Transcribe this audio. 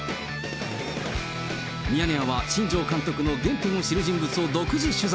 ミヤネ屋は新庄監督の原点を知る人物を独占取材。